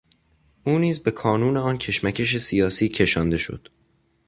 او نیز به کانون آن کشمکش سیاسی کشانده شد.